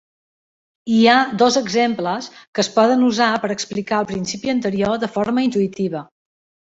Hi ha dos exemples que es poden usar per explicar el principi anterior de forma intuïtiva.